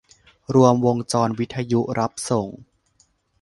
รวมวงจรวิทยุรับส่ง